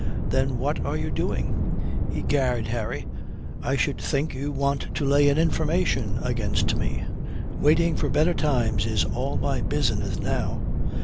"Then what are you doing?" "Egad, Harry, I should think you want to lay an information against me. Waiting for better times is all my business now.